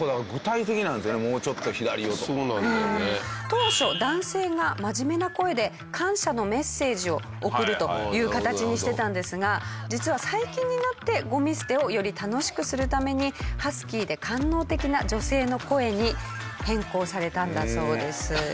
当初男性が真面目な声で感謝のメッセージを送るという形にしてたんですが実は最近になってゴミ捨てをより楽しくするためにハスキーで官能的な女性の声に変更されたんだそうです。